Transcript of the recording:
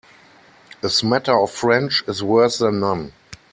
A smatter of French is worse than none.